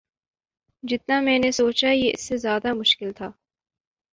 جتنا میں نے سوچا یہ اس سے زیادہ مشکل تھا